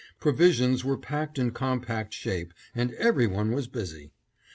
Provisions were packed in compact shape and every one was busy.